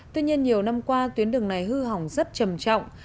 tuy nhiên nhiều năm qua tuyến đường này hư hỏng rất trầm trọng